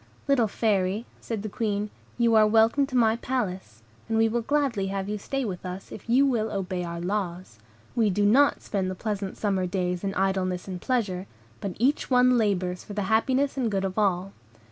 "Little Fairy," said the Queen, "you are welcome to my palace; and we will gladly have you stay with us, if you will obey our laws. We do not spend the pleasant summer days in idleness and pleasure, but each one labors for the happiness and good of all.